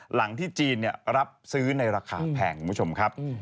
หลังที่จีนรับซื้อในราคาแพงคุณผู้ชมครับ